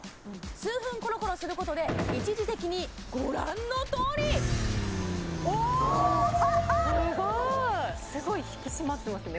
数分コロコロすることで一時的にご覧のとおりおおっすごいすごい引き締まってますね